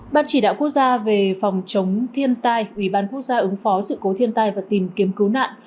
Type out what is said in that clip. ban chỉ đạo quốc gia về phòng chống thiên tai ủy ban quốc gia ứng phó sự cố thiên tai và tìm kiếm cứu nạn